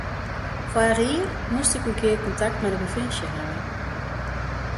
Foarich jier moast ik in kear kontakt mei de provinsje hawwe.